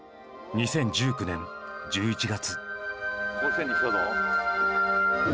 ２０１９年１１月。